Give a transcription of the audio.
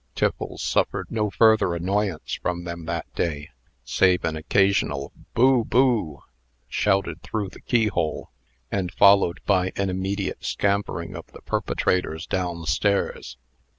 Tiffles suffered no further annoyance from them that day, save an occasional "Boo! boo!" shouted through the keyhole, and followed by an immediate scampering of the perpetrators down stairs.